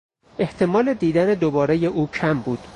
احتمال دیدن دوبارهی او کم بود.